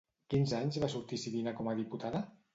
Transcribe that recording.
Quins anys va sortir Sibina com a diputada?